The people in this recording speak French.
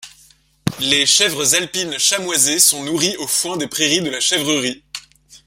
Les chèvres alpines chamoisées sont nourries au foin des prairies de la chèvrerie.